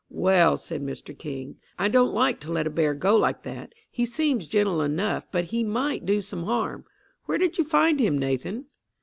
"Well," said Mr King, "I don't like to let a bear go like that. He seems gentle enough, but he might do some harm. Where did you find him, Nathan?"